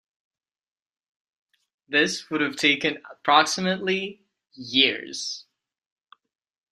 This would have taken approximately years.